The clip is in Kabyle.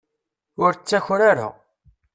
Ur ttaker ara.